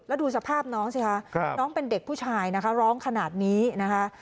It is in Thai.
แล้วดูสภาพน้องสิคะน้องเป็นเด็กผู้ชายนะคะร้องขนาดนี้นะคะ